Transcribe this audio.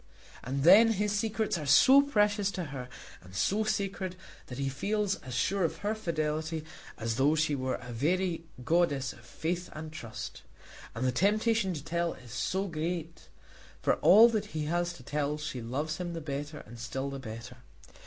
And then his secrets are so precious to her and so sacred, that he feels as sure of her fidelity as though she were a very goddess of faith and trust. And the temptation to tell is so great. For all that he has to tell she loves him the better and still the better.